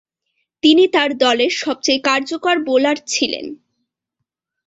তিনি তার দলের সবচেয়ে কার্যকর বোলার ছিলেন।